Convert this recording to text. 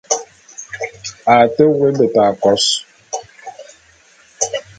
A te woé beta kôs.